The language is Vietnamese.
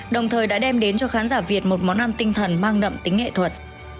đồng thời đã đem đến cho khán giả việt một món ăn tinh thần mang đậm tính nghệ thuật